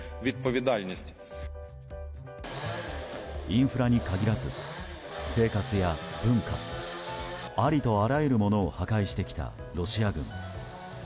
インフラに限らず、生活や文化ありとあらゆるものを破壊してきたロシア軍。